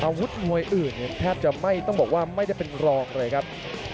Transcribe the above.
อาวุธมวยอื่นเนี่ยแทบจะไม่ต้องบอกว่าไม่ได้เป็นรองเลยครับ